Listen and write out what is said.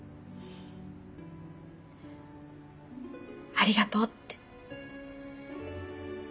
「ありがとう」って。